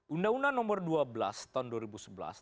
undang undang nomor dua belas tahun dua ribu sebelas